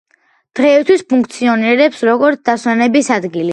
დღეისთვის ფუნქციონირებს, როგორც დასვენების ადგილი.